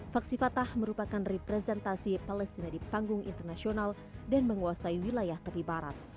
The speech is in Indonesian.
faksi fatah merupakan representasi palestina di panggung internasional dan menguasai wilayah tepi barat